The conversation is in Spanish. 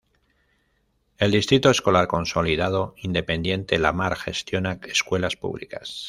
El Distrito Escolar Consolidado Independiente Lamar gestiona escuelas públicas.